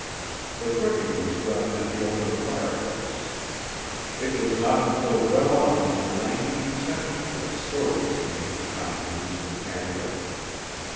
The cooking was done at the open fireplace; it was not until well on in the nineteenth century that stoves came into common use in Canada.